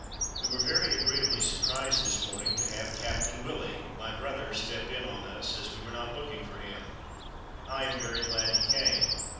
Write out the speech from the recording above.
"We were very agreeably surprised this morning to have Captain Willie [my brother] step in on us, as we were not looking for him. I am very glad he came.